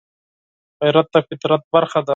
غیرت د فطرت برخه ده